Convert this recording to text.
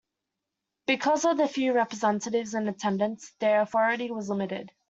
Because of the few representatives in attendance, their authority was limited.